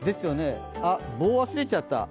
棒、忘れちゃった。